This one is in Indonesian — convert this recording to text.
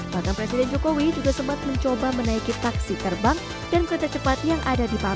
pada presiden jokowi juga sempat mencoba menaiki taksi terbang dan kereta cepat yang ada di papua